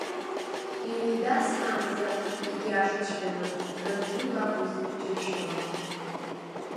Иҩеидасаанӡа, егьиашаҵәҟьаны, ранду лакәыз џьыршьон.